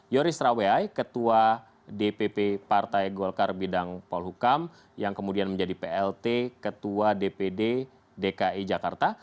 yoris raweai ketua dpp partai golkar bidang polhukam yang kemudian menjadi plt ketua dpd dki jakarta